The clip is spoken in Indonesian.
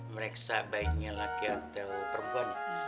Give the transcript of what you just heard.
mereksa baiknya laki atau perempuannya